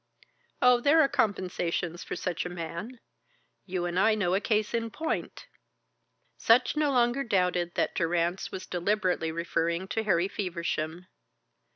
Oh, there are compensations for such a man. You and I know a case in point." Sutch no longer doubted that Durrance was deliberately referring to Harry Feversham.